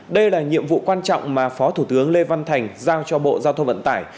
đây là nhiệm vụ quan trọng mà phó thủ tướng lê văn thành giao cho bộ giao thông vận tải